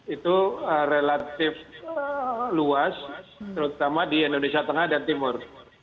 itu relatif luas terutama di indonesia tengah dan timur